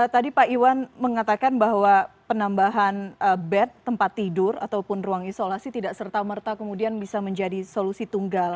tadi pak iwan mengatakan bahwa penambahan bed tempat tidur ataupun ruang isolasi tidak serta merta kemudian bisa menjadi solusi tunggal